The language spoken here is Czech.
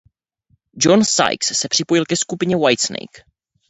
John Sykes se připojil ke skupině Whitesnake.